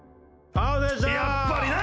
やっぱりな！